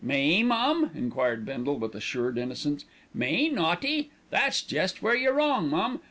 "Me, mum?" enquired Bindle with assumed innocence. "Me naughty? That's jest where you're wrong, mum.